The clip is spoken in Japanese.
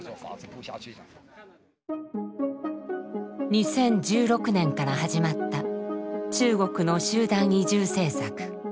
２０１６年から始まった中国の集団移住政策。